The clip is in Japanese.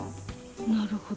なるほど。